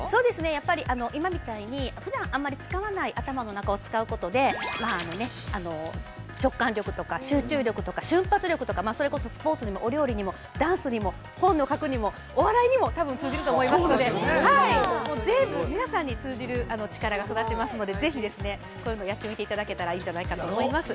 ◆やっぱり今みたいにふだんあんまり使わない頭の中を使うことで直感力とか集中力とか瞬発力とかそれこそスポーツにもお料理にもダンスにも、本を書くにも、お笑いにも多分通じると思いますので全部、皆さんに通じる力が育ちますので、ぜひですね、こういうのをやってみていただけたらいいんじゃないかなと思います。